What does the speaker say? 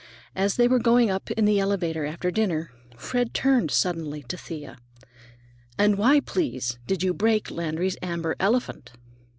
As they were going up in the elevator after dinner, Fred turned suddenly to Thea. "And why, please, did you break Landry's amber elephant?"